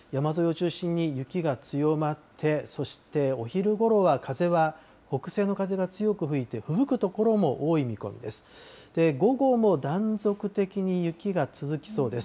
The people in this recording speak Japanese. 山沿いを中心に雪が強まって、そしてお昼ごろは風は北西の風が強く吹いて、ふぶく所も多い見込みです。